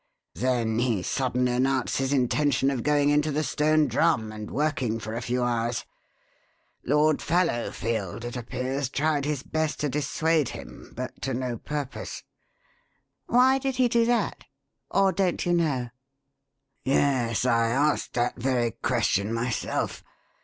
"Then he suddenly announced his intention of going into the Stone Drum and working for a few hours. Lord Fallowfield, it appears, tried his best to dissuade him, but to no purpose." "Why did he do that? Or don't you know?" "Yes. I asked that very question myself.